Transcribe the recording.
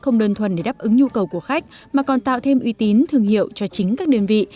không đơn thuần để đáp ứng nhu cầu của khách mà còn tạo thêm uy tín thương hiệu cho chính các đơn vị